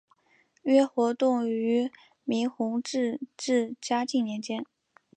约活动于明弘治至嘉靖年间。